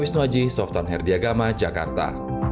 mas wajih softan herdiagama jakarta